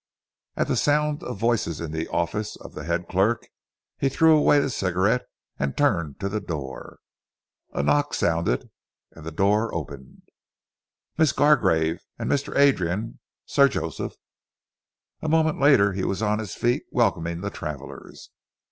At the sound of voices in the office of the head clerk, he threw away his cigarette and turned to the door. A knock sounded, and the door opened. "Miss Gargrave and Mr. Adrian, Sir Joseph." A moment later he was on his feet welcoming the travellers.